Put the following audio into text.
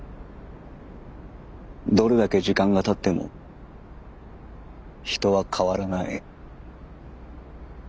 どれだけ時間がたっても人は変わらない。